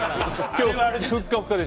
今日ふっかふかです。